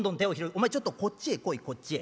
お前ちょっとこっちへ来いこっちへ。